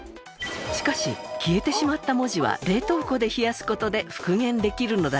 しかし消えてしまった文字は冷凍庫で冷やす事で復元できるのだそう。